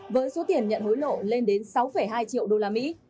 với số tiền nhận hối lộ lên đến sáu hai triệu usd